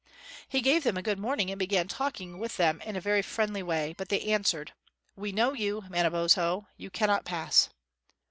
He gave them a good morning and began talking with them in a very friendly way; but they answered: "We know you, Manabozho; you cannot pass."